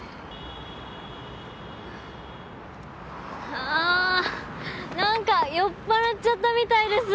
あぁ何か酔っぱらっちゃったみたいです。